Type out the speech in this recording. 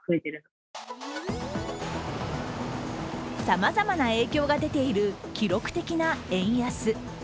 さまざまな影響が出ている記録的な円安。